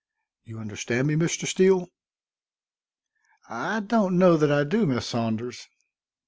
You understand me, Mr. Steele?" "I don't know that I do, Miss Saunders."